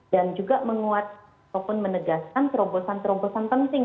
dan juga menguat ataupun menegaskan terobosan terobosan penting